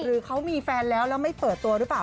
หรือเขามีแฟนแล้วแล้วไม่เปิดตัวหรือเปล่า